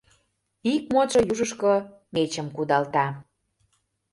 Ик модшо южышко мечым кудалта.